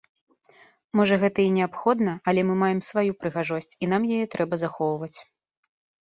Можа гэта і неабходна, але мы маем сваю прыгажосць і нам яе трэба захоўваць.